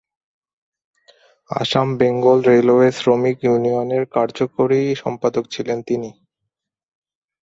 Assam Bengal railway শ্রমিক ইউনিয়নের কার্যকরী সম্পাদক ছিলেন তিনি।